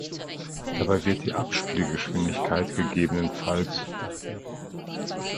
Dabei wird die Abspielgeschwindigkeit ggf.